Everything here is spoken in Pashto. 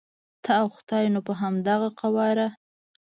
ته او خدای نو په همدغه قواره.